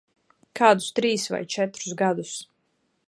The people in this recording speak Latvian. Kādus trīs vai četrus gadus.